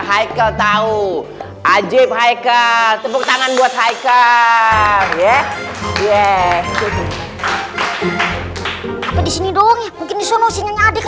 hai ketau ajib hai ke tepuk tangan buat hai ke ye ye ke sini dong ya mungkin disuruh sinyalnya adik